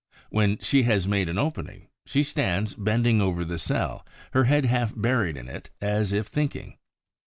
When she has made an opening, she stands bending over the cell, her head half buried in it, as if thinking.